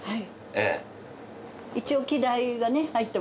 ええ。